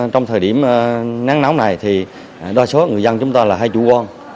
trong thời điểm nắng nóng này đa số người dân chúng ta là hai chủ quân